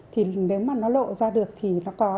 thì nếu mà nó lộ ra được thì nó có